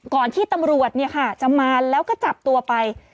ก่อนที่ตำรวจจะมาแล้วก็จับตัวไป